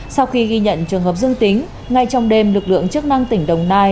sau khi ghi nhận trường hợp dương tính ngay trong đêm lực lượng chức năng tỉnh đồng nai